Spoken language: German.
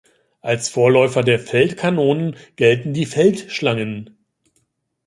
Als Vorläufer der Feldkanonen gelten die Feldschlangen.